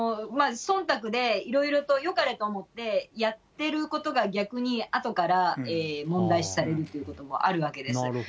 そんたくでいろいろとよかれと思ってやってることが、逆に、あとから問題視されるということもあるわけです。